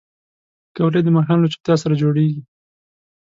پکورې د ماښام له چوپتیا سره جوړېږي